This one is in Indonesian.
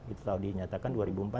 itu selalu dinyatakan dua ribu empat belas